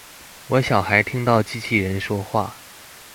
我小孩聽到機器人說話